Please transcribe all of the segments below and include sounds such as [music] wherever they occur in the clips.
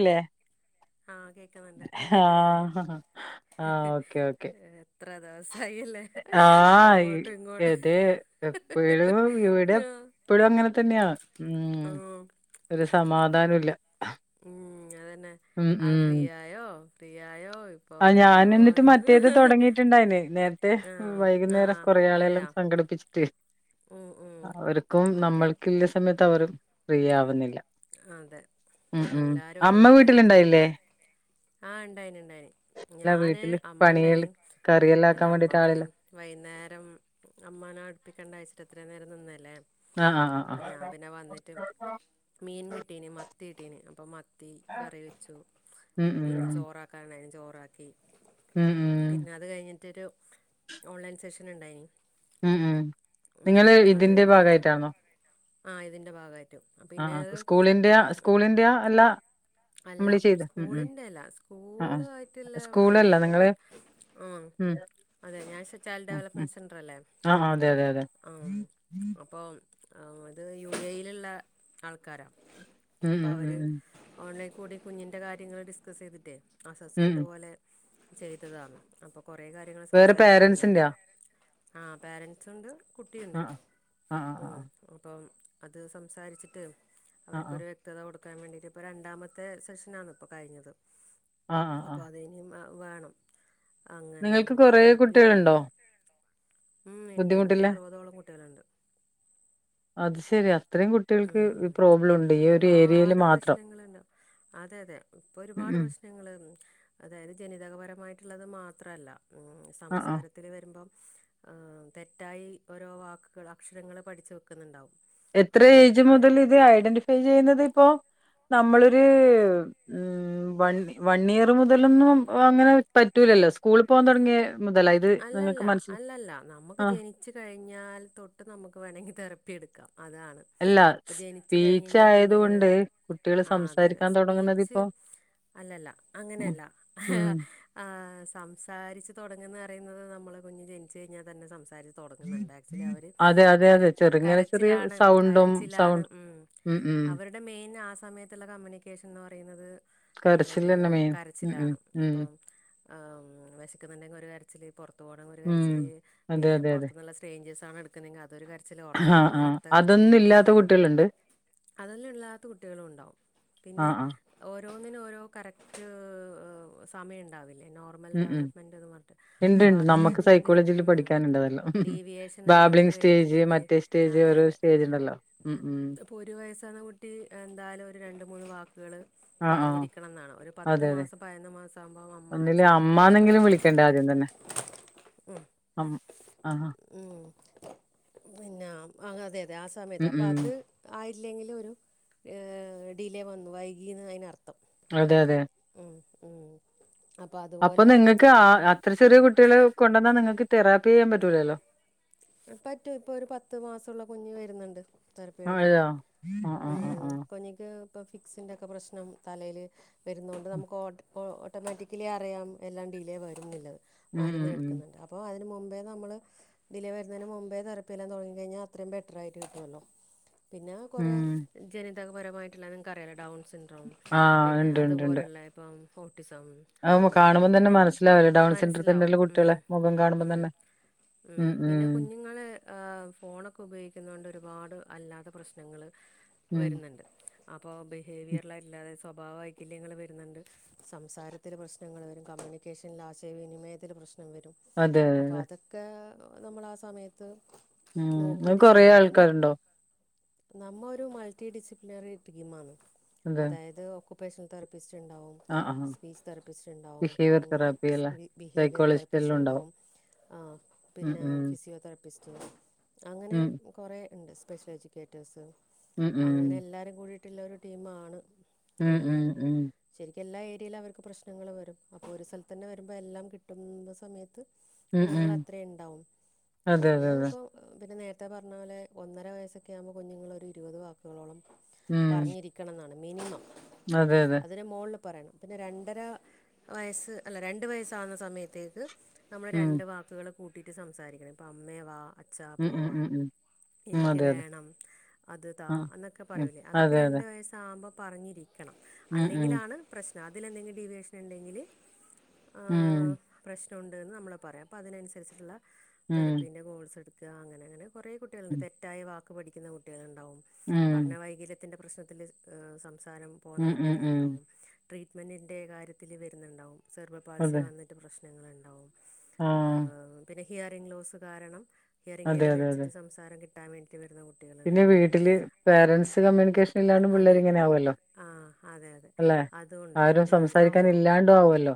ല്ലേ? ആഹ് കേക്ന്ന്ണ്ട്. ഇങ്ങക് കേക്ന്നില്ലേ? ആഹ് ഓക്കെ ഓക്കെ. എത്ര ദെവസായില്ലേ ആഹ് ഇ അങ്ങോട്ടും ഇങ്ങോട്ടും ഇത് എപ്പഴും ഇവിടെ എപ്പഴും അങ്ങനെ തന്നെയാ. ഉം. ആഹ് ഒരു സമാധാനവില്ല. ഉം അതന്നെ ആഹ് ഫ്രീ ആയോ ഫ്രീ ആ ആഹ് ഞാൻ എന്നിട്ട് മറ്റേത് തൊടങ്ങിട്ട്ണ്ടായിന്. നേര്ത്തെ ആഹ് വൈകുന്നേരം ആഹ് കൊറെേ ആളെ [unintelligible] അതെയോ സംഘടിപ്പിച്ചിട്ട് ഉം ഉം അവർക്കും ഓക്കെ നമ്മൾക്കുള്ള സമയത്ത് അവരും ഫ്രീ ആവുന്നില്ല. അതെ ഉം ഉം എല്ലാരും ഓരോ അമ്മ തെരക്കില്. വീട്ടിലുണ്ടായില്ലേ? ആഹ് ഇണ്ടായിന്. [unintelligible] അല്ല ഞാന് വീട്ടില് പണികൾ അമ്മണ്ടായിന്. കറിയെല്ലാം അല്ല ആക്കാൻ അമ്മ വേണ്ടിട്ട് പിന്നെ ആളില്ല വൈന്നേരം അമ്മനെ അടുപ്പിക്കണ്ടന്നെച്ചിട്ട് എത്രേം നേരം നിന്നയല്ലെ ആഹ് ആഹ് ആഹ് അഹ് മീൻ കിട്ടിന് മത്തി കിട്ടീന് അപ്പൊ മ ത്തി കറി വെച്ചു ഉം ഉം പിന്നെ ചോറാക്കാന്ണ്ടയിനി ചോറാക്കി. ഉം ഉം പിന്നെ അത് കഴിഞ്ഞിട്ടൊരു ഓൺലൈൻ സെഷൻ ഉണ്ടായിനി. ഉം ഉം ഉം നിങ്ങള് ഇതിന്റെ ഭാഗയിട്ടാണോ? ആഹ് ഇതിന്റെ ഭാഗയിട്ട് ആഹ് സ്കൂളിന്റെയാ സ്കൂളിന്റെയാ അല്ലാ അല്ല. സ്കൂളിന്റെ അല്ല. ആഹ് സ്കൂളായിറ്റ്ള്ള ആഹ് അതല്ല സ്കൂളല്ല നിങ്ങള് ഞാനിപ്പോ ആഹ് ഉം. അതെ ഞാൻ ചൈൽഡ് ഉം ഉം ഡെവലപ്മെന്റ് സെന്റർ അല്ലേ. ആഹ് ആഹ് അതെ അതെ അതെ ആഹ് അപ്പോൾ ആഹ് അത് യു എ യിലുള്ള ആൾക്കാരാ. മ് മ് മ്ഹ്- ഓൺലൈൻ കൂടി കുഞ്ഞിൻ്റെ കാര്യങ്ങൾ ഡിസ്കസ് ചെയ്തിട്ടേ ഉം അസസ്മെൻറ് ഉം പോലെ ചെയ്തതാണ് അപ്പൊ കൊറേ കാര്യങ്ങൾ വേറെ സംസാരിക്കാനുണ്ടായിരുന്നു. പേരൻസിന്റെയാ ആ പേരൻസ് ഉണ്ട് - കുട്ടിയുണ്ട്. ആഹ് ആഹ് ഓ ആഹ് ആഹ് അപ്പം അത് സംസാരിച്ചിട്ട് ആഹ് അവർക്കൊരു വ്യക്തത കൊടുക്കാൻ വേണ്ടിയിട്ട് ഇപ്പോൾ രണ്ടാമത്തെ സെഷനാണ് ഇപ്പോൾ കഴിഞ്ഞത്. ആഹ് ആഹ് അപ്പൊ ആഹ് അതിനിയും വേണം. അങ്ങനെ നിങ്ങൾക്ക് അവർക്ക് കൊറെ തെറപ്പി കുട്ടികളുണ്ടോ? ഉം. ഇണ്ട് എനിക്ക് ബുദ്ധിമുട്ടില്ലേ അറുപതോളം കുട്ടികളുണ്ട്. ശരി അത്രയും കുട്ടികൾക്ക് ഈ ഉം പ്രോബ്ലം ഉ ഒരുപാട് പ്രശ്നങ്ങള്ണ്ട്. അതെ അതെ ഇപ്പൊ ഉം ഒരുപാട് ഉം പ്രശ്നങ്ങൾ. അതായത് ജനിതക പരമായിട്ടുള്ളത് മാത്രമല്ല ആഹ് ആഹ് സംസാരത്തിൽ വരുമ്പം ആഹ് തെറ്റായി ഓരോ വാക്കുകൾ അക്ഷരങ്ങള്പഠിച്ചു വെക്കുന്നുണ്ടാവും. എത്ര അപ്പം ഏജ് അത് മുതൽഇത് ഐഡന്റിഫയ് ചെയ്യുന്നത് ഇപ്പോ? നമ്മളൊരു ഉം വൺ വൺ ഇയർ മുതലൊന്നും അങ്ങനെ പറ്റൂൽ- വല്ലോ സ്കൂളിൽ പോവാൻ തൊടങ്ങി- അല്ലല്ല അല്ലല്ല നമുക്ക് ആ ജനിച്ചു കഴിഞ്ഞാൽ തൊട്ട് നമുക്ക് വേണെങ്കി തെറപ്പ് അതാണ് അല്ല ഇപ്പ ജനിച്ചു കഴിഞ്ഞ് സ്പീച്ച് കഴിഞ്ഞാൽ കുഞ്ഞുങ്ങള് ആയതുകൊണ്ട് കുട്ടികൾ ആഹ് അതെ അതെ സംസാരിക്കാൻ തുടങ്ങുന്നത് ഇപ്പോ സ്പീച്ച്- അല്ലല്ല ഉം അങ്ങനെയല്ല ഉം ആഹ് സംസാരിച്ച് തൊടങ്ങ്ന്ന- പറയുന്നത് നമ്മള കുഞ്ഞ് ജനിച്ചു കഴഞ്ഞാൽന്നെ സംസം- തൊടങ്ങുന്നുണ്ട് ആക്ച്വലി അവര് അതെ അതെ കര അതെ ചെറുങ്ങനെ ചെറിയ കരച്ചിലാണ് സൗണ്ടും കരച്ചിലാണ് സൗണ്ട് ഉം- അവരുടെ മെയിനാ സമയത്തുള്ള കമ്മ്യൂണിക്കേഷൻ എന്ന് പറയുന്നത്- കരച്ചിലന്നെ ഉംആഹ് മെയിൻ ഉം ഉം കരച്ചിലാണ് ഉം ഇപ്പം ആഹ് വെശക്കുന്നുണ്ടെങ്കിൽഒരു കരച്ച പുറത്ത് പോണിൽ ഒരു ഉം കരച്ചില് പിന്നെ പുറത്തുന്നുള്ള സ്ട്രേഞ്ചസ് ആണ് എക്കുന്നതെങ്കി അത് ആഹ് ആ അതൊന്നും ഇല്ലാത്ത കുട്ടികളുണ്ട് അതെല്ലാം [unintelligible] കുട്ടികളും ഉണ്ടാവും ആ പിന്നെ ആ ഓരോന്നിനും ഓരോ കറക്ട് സമയം ഉണ്ടാവില്ലേ നോർമൽ ഡെവലപ്മെന്റ്ന്ന് പറ ഉണ്ട്ണ്ട് നമുക്ക് സൈക്കോളജിയിൽ പഠിക്കാനുണ്ടതെല്ലാം ബാബ്ലിങ് സ്റ്റേജ് മറ്റേ സ്റ്റേജ് ഓരോ അതെതെ സ്റ്റേജ് ഉണ്ടല്ലോ ഉം ഉം ഇപ്പൊ ഒരു വയസ് ആകുന്ന കുട്ടി എന്തായാലും ഒരു രണ്ട് മൂന്ന് വാക്കുകള് ആഹ് ആഹ് പറഞ്ഞിരിക്കണം എന്നാണ് ഒരു പത്ത് അതെ അതെ മാസം പതിനന്ന് മാസം ആവുമ്പോ അമ്മ ഒന്നില് അച്ചന്നൊക്കെ വിളിച്ച അമ്മാന്നെങ്കിലും വിളിക്കണ്ടേ ആദ്യം തന്നെ ഉം അം ആഹ് ഉം പിന്ന ആഹ് അതെ അതെ ആ സമയത്ത് ഉം അപ്പൊ ഉം അത് ആ ഇല്ലെങ്കിലും ഒരു ഡിലേ വന്നു വൈകിന്ന് അതിനർത്ഥ അതെ അതെ ഉം അപ്പൊ അതുപോലെ ഇത്ര ചെറിയ കുട്ടികൾ കൊണ്ടുവന്നാൽ നിങ്ങൾക്ക് തെറാപ്പി ചെയ്യാൻ പറ്റൂല്ലല്ലോ പറ്റും ഇപ്പൊ ഒരു പത്ത് മാസമുള്ള കുഞ്ഞു വരുന്നുണ്ട് തെറാപ്പി ആ എടുക്കാൻ അതെയോ ആഹ് ആഹ് ആഹ് ഉം ആഹ് കൊഞ്ഞക്ക് ഇപ്പൊ ഫിക്സിന്റെക്കെ പ്രശ്നം തലയില് വരുന്നൊണ്ട് നമുക്ക് ഓട്ട അപ്പോ ഓട്ടോമാറ്റിക്കലി അറിയാം എല്ലാം ഡിലേ വരുംന്നുള്ളത് ഉം ഉം മരുന്ന് ഉം എടുക്കുന്നുണ്ട് അപ്പോ മുമ്പേ നമ്മള് വരുന്നതിന് മുമ്പേ റപ്പിയല്ലാം തുടങ്ങിക്കഴിഞ്ഞാൽ അത്രയും ബെറ്ററായിട്ട് കിട്ടുമല്ലോ പിന്നെ ഉം കൊറെ ജനിതകപരമായിട്ടുള്ള നിങ്ങക്ക് അറിയാമല്ലോ ഡൗൺസ് പിന്നെ അതുപോലുള്ള ഇപ്പം ഓട്ടിസം ആവുമ്പ അതുപോലെ കാണുമ്പം ഇപ്പം തന്നെ പിന്നെ മനസ്സിലാവുമല്ലോ ഡൗൺ സെന്റർ മനസ്സിലാവും തന്നെല്ല ഉം കുട്ടികളെ മുഖം കാണുമ്പം ഉം തന്നെ ഉം പിന്നെ കുഞ്ഞുങ്ങളെ ഫോണൊക്കെ ഉപയോഗിക്കുന്ന കൊണ്ട് ഒരുപാട് അല്ലാത്ത പ്രശ്നങ്ങൾ ഉം വരുന്നുണ്ട് അപ്പോ ഉം ബിഹേവിയറിലല്ലാതെ സ്വഭാവ വൈകല്യങ്ങൾ വരുന്നുണ്ട് സംസാരത്തിൽ പ്രശ്നങ്ങൾ വരും കമ്മ്യൂണിക്കേഷനിൽ ആശയവിനിമയത്തിൽ പ്രശ്ന ശ്നം വരും അതെ അതെ അപ്പോ അതെ. അതൊക്കെ നമ്മള് ആ സമയത്ത് ഉം അത് കൊറെേ ആൾക്കാരുണ്ടാവും നമ്മൾ ഒരു മൾട്ടി ഡിസിപ്ലിനറി ടീം ആണ് എന്ത് അതായത് ഓക്കയുപേഷണൽ തെറപ്പിസ്റ്റ് ച്ച ഉണ്ടാവും ആഹ് ആഹ് സ്പീച്ച് തെറപ്പിസ്റ്റ് ഉണ്ടാവും ബിഹേവിയർ തെറാപ്പി അല്ലേ ബിഹേവിയർ സൈക്കോളജിസ്റ്റ് തെറപ്പിസ്റ്റ് എല്ലാം ഉണ്ടാവും ആഹ് ഉം പിന്നെ ഉം ഫിസിയോതെറാപ്പിസ്റ്റ് അങ്ങനെ ഉം കുറേ ഉണ്ട് സ്പെഷ്യൽ എജ്യൂക്കേറ്റേഴ്സ് ഉം ഉം അങ്ങനെ എല്ലാരും കൂടിട്ടുള്ള ഒരു ടീം ആണ് ഉം ഉം ഉം എല്ലാ ഏരിയയിലും അവർക്ക് പ്രശ്നങ്ങൾ വരും അപ്പോൾ ഒരു സ്ഥലത്ത് തന്നെ വരുമ്പോൾ എല്ലാം കിട്ടുന്ന സമയത്ത് ഉം ഉം കുഞ്ഞുങ്ങൾ അത്ര ഉണ്ടാവും അതെ അതെ പിന്നെ അതെ ഇപ്പൊ പിന്നെ നേരത്തെ പറഞ്ഞ പോലെ ഒന്നര വയസ്സൊക്കെ ആകുമ്പോൾ കുഞ്ഞുങ്ങളൊരു ഇരുപത് വാക്കുകളോളം ഉം പറഞ്ഞിരിക്കണം എന്നാണ് മിനിമം അതെ അതെ അതില് മുകളില് പറയണം പിന്നെ രണ്ടര വയസ്സ് അല്ല രണ്ട് വയസ്സാകുന്ന സമയത്തേക്ക് നമ്മള് ഉം രണ്ട് വാക്കുകൾ കൂട്ടിട്ട് സംസാരിക്കണം ഇപ്പൊ അമ്മേവാ അഛാ ഉം ഉം പോവാ ഉം ഉം ഉം എനിക്ക് അതെ അതെ വേണം അത് താ ആഹ് എന്നൊക്കെ ഉം പറയൂലേ അതൊക്കെ അതെ അതെ രണ്ട് വയസ്സ് ആകുമ്പോ പറഞ്ഞിരിക്കണം ഉം ഉം അല്ലെങ്കിലാണ് പ്രശ്നം അതിലെന്തെങ്കിലും ഡീവിയേഷൻ ഉണ്ടെങ്കിൽ ആ ഉം പ്രശ്നുണ്ട്ന്ന് നമ്മളെ പറയാം അപ്പൊ അതിനനുസരിച്ചിട്ടുള്ള ഉം തെറപ്പീന്റെ കോഴ്സ് എടു അങ്ങനെ അങ്ങനെ കുറെ കുട്ടികളുണ്ട് ഉം തെറ്റായി വാക്കു പഠിക്കുന്ന കുട്ടികൾ ഉണ്ടാവും ഉം പഠന വൈകല്യ ത്തിന്റെ പ്രശ്നത്തിൽ സംസാരം പോകുന്ന ഉം ഉം ഉം കുട്ടികളുണ്ടാവും ട്രീറ്റ്മെന്റിൻ്റെ കാര്യത്തിൽ വരുന്നുണ്ടാവും സെർബൽ പാളിസി അതെ വന്നിട്ട് പ്രശ്നങ്ങളുണ്ടാവും ആഹ് പിന്നെ ഹിയറിംഗ് ലോസ് കാരണം ഹിയറിംഗ് അതെ ഐ അതെ അതെ വെച്ചിട്ട് സംസാരം കിട്ടാൻ വേണ്ടി പിന്നെ വീട്ടില് പേരൻറ്സ് കമ്മ്യൂണിക്കേഷൻ ഇല്ലാണ്ട് അതെ പിള്ളേരിങ്ങനെ ആവുല്ലോ ആ അതെ അതെ അല്ലെ അതും ഉണ്ടാവും ആരും ഉം ആവും സംസാരിക്കാൻ ആവും ഇല്ലാണ്ട ആവുമല്ലോ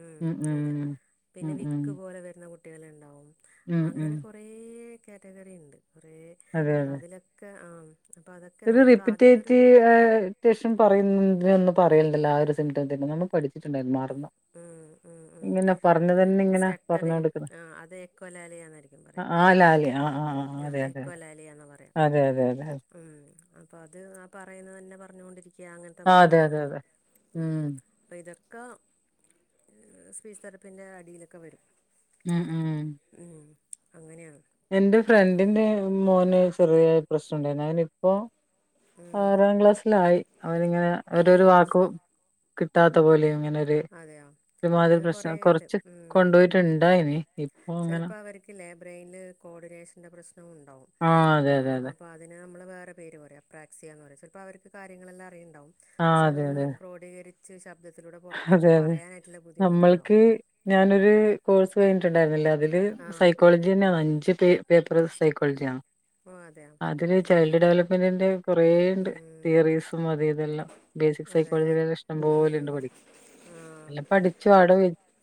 ഉം അതെ ഉം ഉം പിന്നെ ഉം വിക്ക് പോലെ വരുന്ന കുട്ടികളുണ്ടാവും ഉം ഉം അങ്ങനെ കുറേ കാറ്റഗറി ഉണ്ട് കുറേ അതെ അപ്പം അതെ അതിലൊക്കെ ആ അപ്പോൾ അതൊക്കെ ഒരു നമുക്ക് ആദ്യത്തെ ഒരു റിപ്പീറ്റേറ്റ്അത്യാവശ്യം ആ പറയുന്നുണ്ട് ഇങ്ങന ഒന്നും പറയലണ്ടല്ലോ ആ ഒരു സിംറ്റം തന്നെ നമ്മൾ പഠിച്ചിട്ടുണ്ടായിരുന്നു ഉം ഉം ഉം ആറ്ന്ന് പറഞ്ഞു അത് തന്നെ ഇങ്ങനാ പറഞ്ഞ സ്റ്റട്ടറിങ് കൊടുക്കുന്നത് ആ അത് എക്കോലാലിയ എന്നായിരിക്കും പറയുക ആല ആലി ആ ആ ആ അതെ തെ അതെ എക്കോലാലിയ എന്ന് പറയാം അതെ അതെ അതെ ഉം അപ്പൊ അത് ആ പറയുന്ന തന്നെ പറഞ്ഞൊണ്ടിരിക്കുന്നു യാ അങ്ങനത്തെ ആ അതെ അതെ മക്കളുണ്ട് അതെ ഉം അപ്പം ഇതൊക്കെ സീസണത്തിന്റെ അടിയിലൊക്കെ വരും ഉം ഉം ഉം അങ്ങനെയാണ് എന്റെ ഫ്രണ്ടിന്റെ മോന് ചെറിയ പ്രശ്നണ്ടായിരുന്നു ങ്ങനെ ഇപ്പോ ഉം ആറാം ക്ലാസ്സിലായി അവരിങ്ങനെ ഒരു എന്താ വാക്ക് കിട്ടാത്ത പോലെ ഇങ്ങനെ അതെ യൊ ഒരുമാതിരി പ്രശ്നം കൊറച്ച് കൊണ്ടുപോയിട്ടുണ്ടാ നി ഇപ്പൊ ങ്ങനെ സിൻ്റെ പ്രശ്നമുണ്ടോ ആ അതെ അതെ അപം അതിനെ നമ്മള് വേറെ പേര് പറയാ പ്ര്രാക്സിയന്ന് പറയാ ചെലപ്പോ അവർകാര്യെല്ലാം അറിയണ്ടാവും ആ പക്ഷെ അതെ അതൊന്ന് അതെ ക്രോടീകരിക്ക [unintelligible] ശബ്ദത്തിലൂടെ അതെ പുറത്തേക്ക് അതെ പറയാനായിട്ടുള്ള ബുദ്ധിമുട്ടുണ്ടാവും നമ്മൾക്ക് ഞാനൊരു കോഴ്സ് കഴിഞ്ഞിട്ടുണ്ടായിരുന്നില്ലേ അ അതില് ആ സൈക്കോളജി തന്നെയാണ് അഞ്ചച് പേ പേപ്പർ സൈക്കോളജിയാണ് ഓ അതെയോ അതില് ചൈൽഡ് ഡെവലപ്മെന്റിന്റെ കുറെേ ഉണ്ട് ഉം തിയറീസും മതി ഇതെല്ലാം ബേസിക് സൈക്കോളജി അതെല്ലേ ഉം ഇഷ്ടംപലെുണ്ട് പഠിക്ക ആ എല്ലാം പഠിച്ചു ആട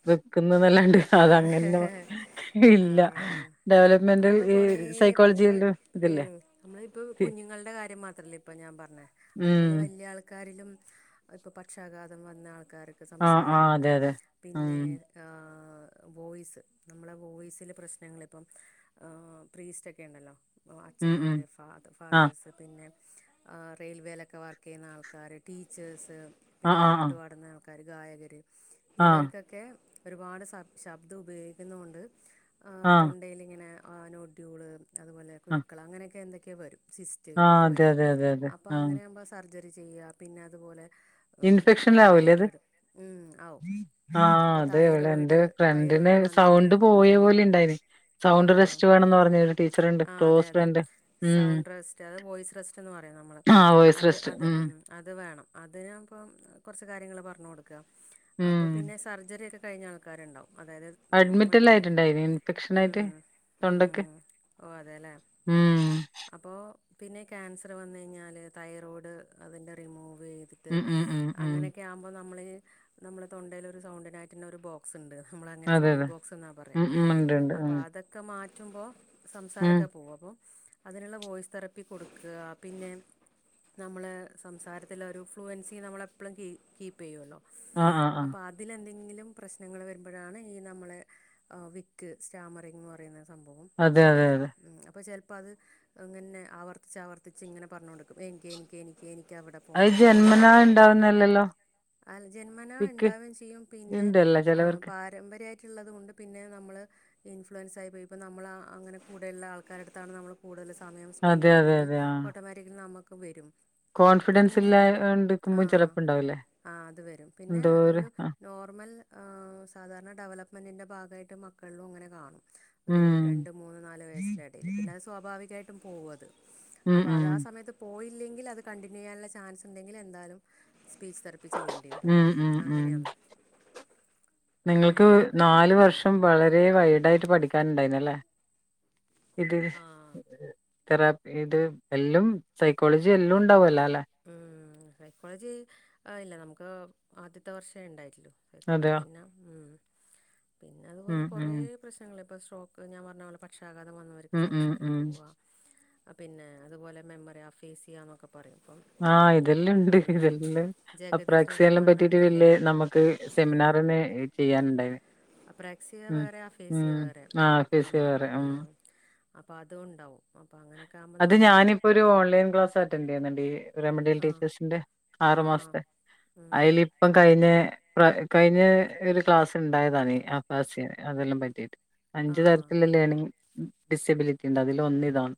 വെക്കുന്നല്ലാണ്ട് അതങ്ങനെ ആഹ് ഇല്ല ആഹ് ഡെവലപ്മെന്റൽ നമുക്ക് ഈ കുറ ഇപ്പ സൈക്കോളജിയിലും ഇതില്ലേ നമ്മള ഇപ്പ കുഞ്ഞുങ്ങളുടെ കാര്യം മാത്രല്ല ഇപ്പ ഞാൻ പറഞ്ഞു ഉം അത്പോലെ വല്ല്യ ൾക്കാരിലും പാ ക്ഷ് ഗാതം വന്നാ ആൾക്കാർക്ക് ആഹ് സംസാരം ആഹ് അതെ പോകും അതെ ഉം പിന്നെ ആ വോയിസ് നമ്മള വോയിസില പ്രശ്നങ്ങപ്പം ആ പ്രീസക്കെ ഉണ്ടല്ലോ ഉം ഉം അച്ഛന്മാർ ആഹ് ഫാതേഴ്സ് പിന്നെ റെയിൽവേയിലൊക്കെ വർക്ക് ചെയ്യുന്ന ആൾക്കാർ ടീച്ചേഴസ് പിന്നെ ആഹ് ആഹ് പാട്ട് പാടുന്ന ക്കാര് ഗായകര് ആഹ് ഇവർക്കൊക്കെ ഒരുപാട് ശബ്ദം ഉപയോഗിക്കുന്ന കൊണ്ട് ആഹ് തൊണ്ടയിലിങ്ങനെ ആ നോഡ്യൂള് അതുപോലെ ആഹ് കുരുക്കൾ അങ്ങനെയൊക്കെ എന്തൊക്കെയാ വരും സിസ്റ്റ ആഹ് ഇതൊക്കെ അതെ വരും അതെ അതെ അതെ അപ്പൊ ആഹ് അങ്ങനെയ ആകുമ്പോ സർജറി ചെയ്യുക പിന്നെ അതുപോലെ ഇം ഫക്ഷന ലാകൂലെ അത് തൈറോയിഡ് ആവും അപ്പോൾ അതെ ടെൻ്റെ തൈറോയിഡ് പ്രണ്ട് തൈറോയിഡ് വന്നിട്ട് സൗണ്ട് പോയ പോലെണ്ടായിരുന്നു ആ റ്റ് [unintelligible] വേണ പറഞ്ഞ ടീച്ചർണ്ട് ആ അതെ ക്ലോസ് അതെ ഫ്രണ്ട് ഉം സൗണ്ട് റെസ്റ്റ് അത് വോയിസ് റെസ്റ്റ് എന്ന് പറയും നമ്മള് ആഹ് വോയിസ് അത് റെസ്റ്റ് അത് ഉം ഉ അത് വേണം അതി ഞാപ്പം കുറച്ച കാര്യങ്ങൾ പറഞ്ഞു കൊടുക്കുക ഉം അപ്പൊ പിന്നെ സർജറി ഒക്കെ കഴിഞ്ഞ ആൾക്കാരുണ്ടാവും അതായത് അഡ്മിറ്റല്ല മറ്റേ ആയിട്ടുണ്ടായിന് ഇൻഫെക്ഷൻായിട്ട് ഉം തൊണ്ടക്ക് ഉം ഓ അതെല്ലേ ഉം അപ്പോൾ പിന്നെ ക്യാൻസറ് വന്ന് ഴിഞ്ഞാല് തൈറോയ്ഡ് അതിന്റെ റിമൂവ് ചെയ്തിട്ട് ഉം ഉം ഉം ഉം അങ്ങനെയൊക്കെ ആവ്മ്പ നമ്മള് നമ്മളെ തൊണ്ടേല് ഒരു സൗണ്ടിനായിട്ടന്നെ ഒരു ബോക്സ് ഇണ്ട് നമ്മള അങ്ങനെ അതെ സൗണ്ട് അതെ ബോക്സ് എന്നാ പറയാ ഉം ഉം ഉണ്ട് ഉണ്ട് അപ്പം ഉം അതൊക്കെ മാറ്റുമ്പോൾ- ഉം സംസാരൊക്കെ പോവും അപ്പോ അതിനുള്ള വോയ്സ് തെറാപ്പി കൊടുക്കാ പിന്നെ- നമ്മള് സംസാരത്തിലെ ഒരു ഫ്ലുവൻസി നമ്മളെപ്പോഴും കീ കീപ്പെയ്യൂലോ ആഹ് ആഹ് ആഹ് അപ്പൊ അതിലെന്തങ്കി ന്നിലും പ്രശ്നങ്ങള് വരുമ്പോഴാണ് ഈ നമ്മളെ വിക്ക് സ്റ്റാമറിങ് ന്ന് പറയുന്നത് സംഭവം അതെ അതെ വര് അതെ അപ്പൊ ചെലപ്പ അപ്പൊ അത് ഇങ്ങനെ ആവർത്തിച്ച് ആവർത്തിച്ച് ഇങ്ങനെ പറഞ്ഞോണ്ടിക്കും എനിക്ക് എനിക്ക് എനിക്ക് എനിക്ക് അവിടെ അത് ജന്മനാ ഉണ്ടാവുന്നല്ലല്ലോ? ആ ജന്മനാ വിക്ക് ഉണ്ടാവേം ചെയ്യും പിന്നെ ഇണ്ടല്ലോ ആ ചെലവർക്ക് പാരമ്പര്യായിട്ട് ട്ടുള്ളതും ഉണ്ട് പിന്നെ നമ്മള് ഇൻഫ്ലുവൻസ് പോയപ്പോ നമ്മള് അങ്ങനെ കൂടെയുള്ള ആൾക്കാരടുത്താണ് നമ്മള് കൂടുതല് സമയം സ്പെൻഡ് അതെ അതെ ചെയ്യുന്നെങ്കിൽ അതെ ആ ഓട്ടോമാറ്റിക്കലി നമ്മക്കും വരും കോൺഫിഡൻസ് പിന്നെ ആ ഇല്ലാണ്ടിരിക്കുമ്പോം ചെലപ്പം ഉണ്ടാവില്ലേ? ആ അത് വരും പിന്നെ ഒരു നോർമൽ സാധാരണ ഡെവലപ്മെന്റിന്റെ ഭാഗ [unintelligible] മക്കളിലും അങ്ങനെ കാണും ഒരു ഉം രണ്ടു മൂന്നു നാലു വയസിൻ്റെ എടേല് പിന്നെ അത് സ്വാഭാവികായിട്ട് പോവും അത് ഉം അപ്പൊ ഉം അത് ആ സമയത്ത് പോയി ഇല്ലെങ്കിൽ അത് കണ്ടിന്യൂയ്യാനുള്ള ചാൻസ് ഉണ്ടെങ്കില് എന്താലും സ്പീച്ച് തെറാപ്പി ചെയ്യേണ്ടി വരും ഉം ഉം ഉം അങ്ങനെയാണ് നിങ്ങൾക്ക് നാലു വർഷം വളരെ വൈഡായിട്ട് പഠിക്കാനുണ്ടായിനല്ലേ ഇത് ആഹ് തെറാപ്പി ഇത് എല്ലും സൈക്കോളജീ എല്ലും ഉണ്ടാവൂ ഉം സൈക്കോളജി ഇല്ല നമുക്ക് ആദ്യത്തെ വർഷേ ഉണ്ടായിട്ടുള്ളൂ സൈക്കോളജി അതെയോ പിന്നെ ഉം പിന്നെ അതുപോലെ ഉം കുറേ ഉം പ്രശ്നങ്ങള് ഇപ്പൊ സ്ട്രോക്ക് ഞാൻ പറഞ്ഞപോലെ പക്ഷ പക്ഷാഘാതം വന്നവർക്ക് ഉം ഉം സംസാരം ഉം പോവാ പിന്നെ അതുപോലെ മെമ്മറി ആഫേസിയ എന്നൊക്കെ പറയും ഇപ്പം ആ ഇതെല്ലാം ഇണ്ട് ഉം ഇതെല്ലാം ജഗതി അപ്രാക്സ്യെല്ലാം പറ്റീട്ട് ശ്രീകുമാറിനൊക്കെ ഇല്ലേ വില്ലേ നമുക്ക് സെമിനാറ് [unintelligible] റിന് ചെയ്യാനുണ്ടായിരുന്നു അപ്രക്സിയ ഉം. വേറെ ആഫേസിയ ഉം. വേറെ ആ ഉം ഫിസിയോ വേറെ ഉം അപ്പൊ അതും ഉണ്ടാവും അപ്പൊ അങ്ങനെയൊക്കെ ആകുമ്പോ അത് നമ്മള് ഞാനിപ്പോ ഒരു ഓൺലൈൻ ക്ലാസ് അറ്റൻഡ് ചെയ്യുന്നുണ്ട് റെമഡിയൽ ആഹ് ടീച്ചേഴ്സിന്റെ ആറു ആഹ് ആഹ് മാസത്തെ ഉം അതിൽ ഉം ഇപ്പം കഴിഞ്ഞ കഴിഞ്ഞ ഒരു ക്ലാസ് ഉണ്ടായതാണ് അപ്രക്സിയ അതെല്ലാം പറ്റിട്ട് അഞ്ചു ആഹ് തരത്തിലുള്ള ലേണിംഗ് ഡിസബിലിറ്റി ഇണ്ട് അതിൽ ഒന്ന് ഇതാണ്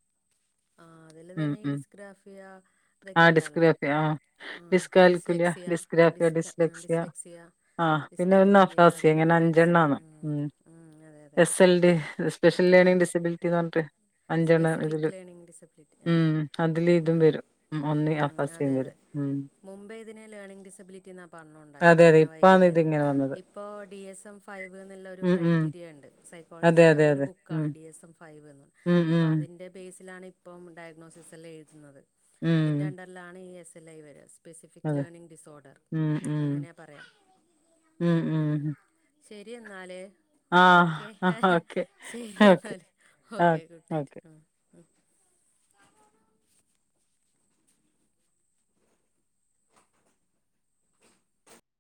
ആ അതില് ഉം തന്നെ ഈ ഉം. ഡിസ്ഗ്രാഫിയ ആ ഇതൊക്കെ ഇണ്ടല്ലോ ഡിസ്ഗ്രാഫിയ ആ ആ ഡിസ്കാൽക്കുലിയ, ഡിസ്ലെക്സിയ ആ ഡിസ്ഗ്രാഫിയ, ഡിസ്ക് ഡിസ്ലെക്സിയ ആ പിന്നെ ഒന്ന് ഡിസ്കാൽക്കുലിയ അഫോസി അതൊക്കെ അങ്ങനെ മാത്സിന് അഞ്ചെണ്ണാണ് ഉം ഉം അതെ അതെ എസ് എൽ ഡി സ്പെഷ്യല് ആഹ് ലേണിങ്ങ് ഡിസബിലിറ്റിന്ന് പറഞ്ഞിട്ട് അഞ്ചെണ്ണ ആണ് സ്പെസിഫിക് ഇതില് ലേണിംഗ് ഡിസബിലിറ്റി ആ ഉം അതില് ആ ഇതും വരും ഒന്ന് ഉം, അഫാസി അതെ അതെ വരും ഉം മുമ്പേ ഇതിനെ ലേണിംഗ് ഡിസബിലിറ്റി എന്ന പറഞ്ഞോണ്ടായേ അതെ അതെ പഠന ഇപ്പാണ് വൈകല്യംന്ന് ഇതിങ്ങനെ വന്നത്. ഇപ്പോൾ D S M five ന്ന്ള്ളൊരു ഉം ഉം ക്രൈറ്റീരിയ ഇണ്ട് സൈ അതെ [unintelligible] അതെ അതൊരു അതെ. ഉം ബുക്കാണ് ഡി എസ് എം ഫൈവ് എന്ന് ഉം അപ്പൊ ഉം അതിൻ്റെ ബേ സ്‌ലാണ് ഇപ്പം ഡയഗ്നോസിസ് എൽ ഐ എഴുതുന്നത് അതിന്റെ ഉം അണ്ടറിലാണ് ഈ എസ് എൽ ഐ വര് സ്പെസിഫിക് അതെ. ലേണിങ് ഡിസോർഡർ ഉം ഉം അങ്ങനെയാ പറയാ ഉം ഉം ശെരി എന്നാല് ഓക്കെ ആഹ് ഹെ ഹെ ഓക്കെ ശെരി ഓക്കെ എന്നാല് ആ ഓക്കെ ഗുഡ് നൈറ്റ് ഓക്കെ. ആ